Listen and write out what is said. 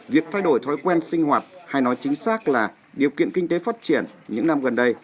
việc thay đổi thói quen sinh hoạt hay nói chính xác là điều kiện kinh tế phát triển những năm gần đây